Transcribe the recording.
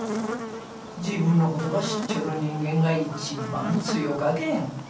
自分のことば知っちょる人間が一番強かけん。